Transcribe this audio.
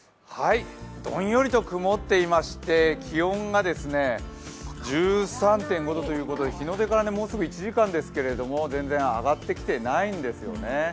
どんよりと曇っていまして気温が１３．５度ということで、日の出からもうすぐ１時間ですけれども全然上がってきていないんですよね。